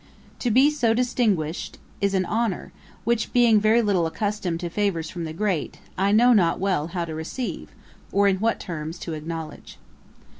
To be so distinguished, is an honour, which, being very little accustomed to favours from the great, I know not well how to receive, or in what terms to acknowledge.